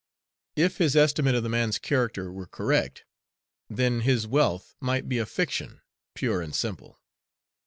If his estimate of the man's character were correct, then his wealth might be a fiction, pure and simple.